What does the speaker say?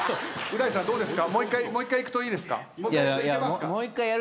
寺島さんどうですか？